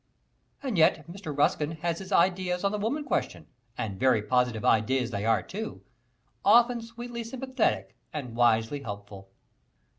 And yet Mr. Ruskin has his ideas on the woman question, and very positive ideas they are too often sweetly sympathetic and wisely helpful.